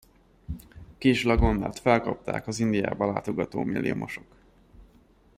Kis-Lagondát felkapták az Indiába látogató milliomosok.